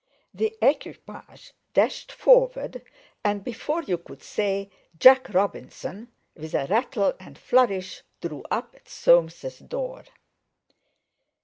The equipage dashed forward, and before you could say Jack Robinson, with a rattle and flourish drew up at Soames's door.